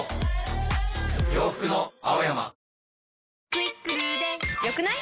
「『クイックル』で良くない？」